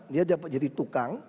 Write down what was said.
dia dapat jadi tukang